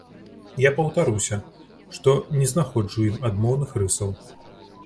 Я паўтаруся, што не знаходжу ў ім адмоўных рысаў.